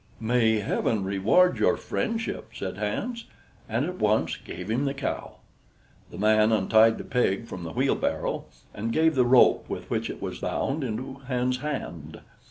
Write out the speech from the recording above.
"May Heaven reward your friendship!" said Hans, and at once gave him the cow. The man untied the pig from the wheelbarrow, and gave the rope with which it was bound into Hans's hand.